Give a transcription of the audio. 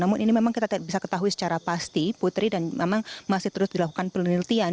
namun ini memang kita tidak bisa ketahui secara pasti putri dan memang masih terus dilakukan penelitian